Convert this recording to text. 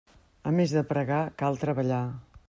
A més de pregar cal treballar.